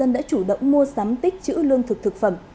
đã chủ động mua sắm tích chữ lương thực thực phẩm